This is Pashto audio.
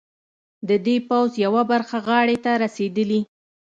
د دې پوځ یوه برخه غاړې ته رسېدلي.